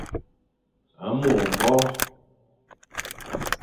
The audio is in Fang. Mo mbore.